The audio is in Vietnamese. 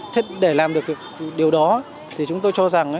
thế để làm được điều đó thì chúng tôi cho rằng